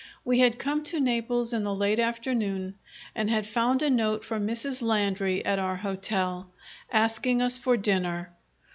We had come to Naples in the late afternoon, and had found a note from Mrs. Landry at our hotel, asking us for dinner.